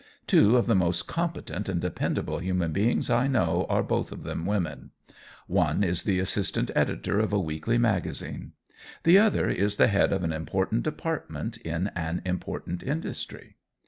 Two of the most competent and dependable human beings I know are both of them women. One is the assistant editor of a weekly magazine. The other is the head of an important department in an important industry.